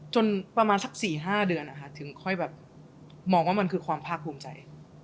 จนประมาณสัก๔๕เดือนถึงค่อยแบบมองว่ามันคือความภาคภูมิใจ